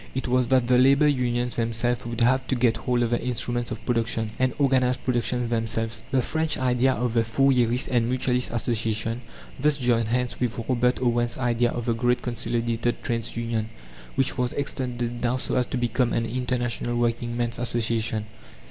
It was that the labour unions themselves would have to get hold of the instruments of production, and organize production themselves. The French idea of the Fourierist and Mutualist "Association" thus joined hands with Robert Owen's idea of "The Great Consolidated Trades' Union," which was extended now, so as to become an International Working men's Association.